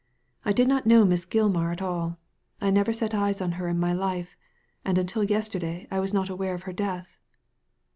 I did not know Miss Gilmar at all I never set eyes on her in my life ; and until yesterday I was not aware of her death."